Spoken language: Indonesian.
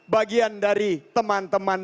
bagian dari teman teman